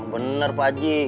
bener pak haji